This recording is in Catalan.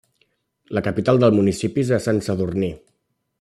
La capital del municipi és a Sant Sadurní.